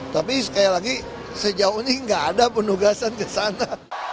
tapi sekali lagi sejauh ini nggak ada penugasan ke sana